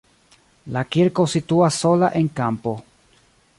La kirko situas sola en kampo.